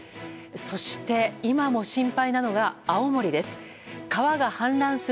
そして今も心配なのが青森です。